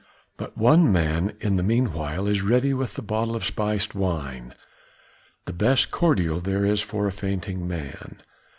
But one man in the meanwhile is ready with the bottle of spiced wine, the best cordial there is for a fainting man.